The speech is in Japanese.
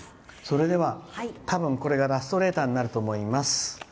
では、多分これがラストレターになると思います。